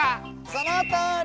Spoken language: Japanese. そのとおり！